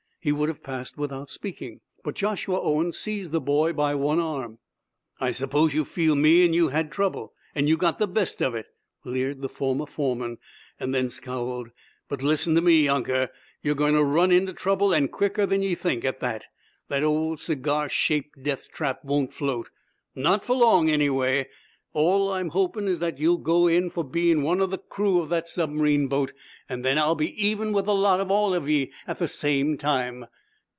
He would have passed without speaking, but Joshua Owen seized the boy by one arm. "I s'pose ye feel me and you had trouble, and you got the best of it?" leered the former foreman, then scowled. "But listen to me, younker. Ye're going to run into trouble, and quicker than ye think, at that. That old cigar shaped death trap won't float not for long, anyway. All I'm hoping is that ye'll go in for bein' one of the crew of that submarine boat. Then I'll be even with a lot of ye all at the same time!"